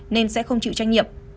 nên sẽ không chịu trách nhiệm